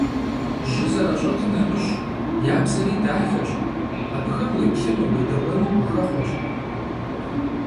Жьы зэращӏэтым нэмыщӏ, я бзэри дахэщ, абыхэм уеплъыну, уедэӏуэну гухэхъуэщ.